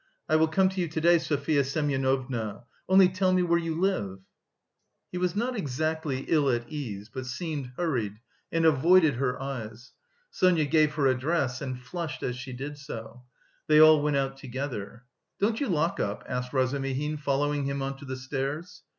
"I will come to you to day, Sofya Semyonovna. Only tell me where you live." He was not exactly ill at ease, but seemed hurried, and avoided her eyes. Sonia gave her address, and flushed as she did so. They all went out together. "Don't you lock up?" asked Razumihin, following him on to the stairs.